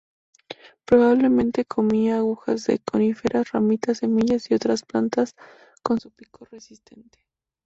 Probablemente comía agujas de coníferas, ramitas, semillas, y otras plantas con su pico resistente.